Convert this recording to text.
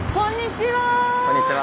こんにちは。